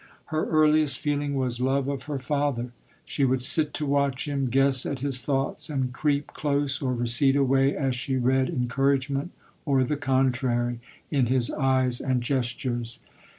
Her earliest feeling was love of her father. She would sit to watch him, guess at his thoughts, and creep close, or recede away, as she read en couragement, or the contrary, in his eyes and gestures.